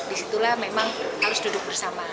di situlah memang harus duduk bersama